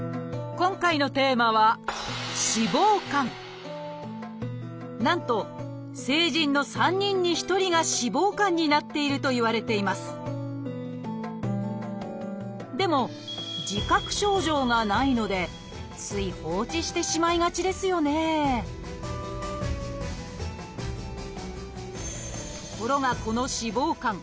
今回のテーマはなんと成人の３人に１人が「脂肪肝」になっているといわれていますでも自覚症状がないのでつい放置してしまいがちですよねところがこの「脂肪肝」